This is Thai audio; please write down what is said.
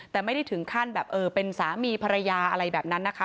แต่ไม่ได้ถึงขั้นแบบเออเป็นสามีภรรยาอะไรแบบนั้นนะคะ